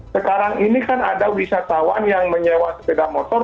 sekarang ini kan ada wisatawan yang menyewa sepeda motor